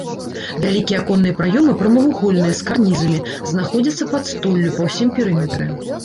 Вялікія аконныя праёмы прамавугольныя з карнізамі, знаходзяцца пад столлю па ўсім перыметры.